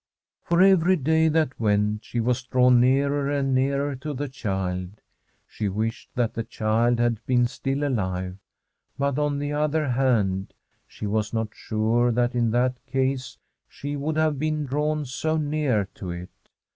For every day that went she was drawn nearer and nearer to the child. She wished that the child had been still alive ; but, on the other hand, she was not sure that in that case she would have been drawn so near to it.